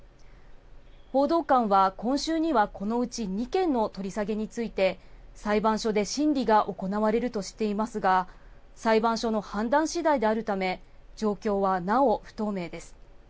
報道官は今週にはこのうち２件の取り下げについて、裁判所で審理が行われるとしていますが、裁判所の判断しだいであるため、状況はなお不透明です。